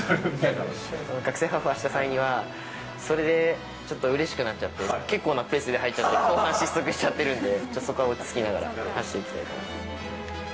学生ハーフ走った際には、それでちょっとうれしくなっちゃって、結構なペースで入っちゃって、後半、失速しちゃってるんで、そこは落ち着きながら走っていきたいと。